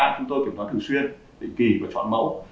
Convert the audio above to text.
chúng tôi kiểm toán thường xuyên định kỳ và chọn mẫu